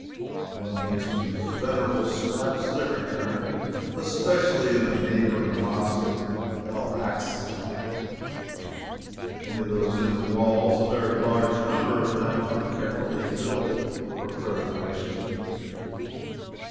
One meets with these venerable scraps at every turn, especially in the neighboring Mosque el Aksa, into whose inner walls a very large number of them are carefully built for preservation.